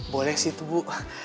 boleh sih bu